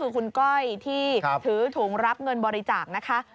คือคุณก้อยที่ถือถุงรับเงินบริจาคนะคะ